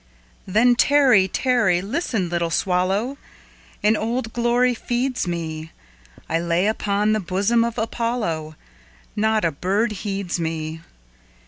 Then tarry, tarry, listen, little swallow! An old glory feeds me—I lay upon the bosom of Apollo! Not a bird heeds me.